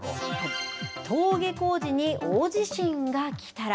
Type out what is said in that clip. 登下校時に大地震が来たら。